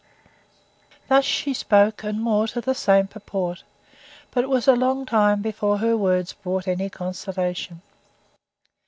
Thus she spoke, and more to the same purport; but it was a long time before her words brought any consolation.